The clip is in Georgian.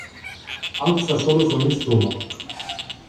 აქვს საშუალო ზომის დუმა.